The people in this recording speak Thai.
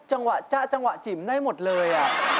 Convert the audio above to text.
จังหวะจ๊ะจังหวะจิ๋มได้หมดเลย